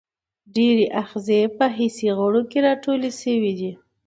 ډېری آخذې په حسي غړو کې را ټولې شوي دي.